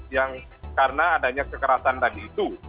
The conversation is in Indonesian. yang karena adanya kekerasan tadi itu